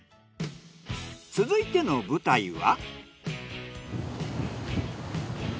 続いての舞台は。